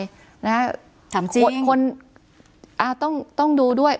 คนสงครามว่าดูด้วย